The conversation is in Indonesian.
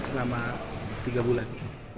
selama tiga bulan